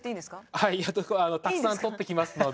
はいたくさん取ってきますので。